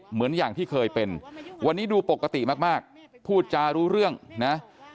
เหมือนอย่างที่เคยเป็นวันนี้ดูปกติมากพูดจารู้เรื่องนะ